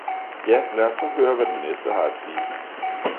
ja lad os saa høre hvad den Næste har at sige!